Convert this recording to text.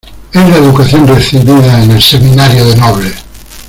es la educación recibida en el Seminario de Nobles.